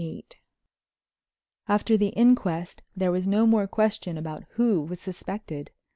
VIII After the inquest there was no more question about who was suspected.